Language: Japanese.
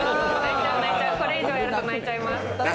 これ以上やると泣いちゃいます。